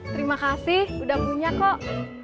terima kasih udah punya kok